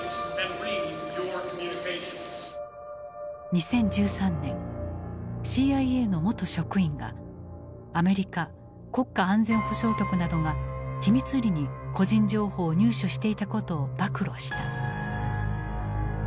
２０１３年ＣＩＡの元職員がアメリカ国家安全保障局などが秘密裏に個人情報を入手していたことを暴露した。